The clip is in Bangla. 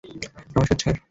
নমস্কার, স্যার!